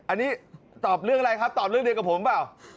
อันนี้ตอบเรื่องอะไรครับตอบเรื่องเดียวกับผมเปล่า